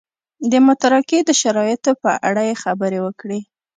د متارکې د شرایطو په اړه یې خبرې وکړې.